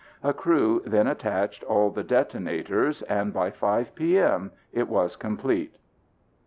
A crew then attached all the detonators and by 5 p.m. it was complete.